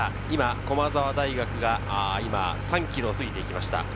今、駒澤大学が３ｋｍを過ぎていきました。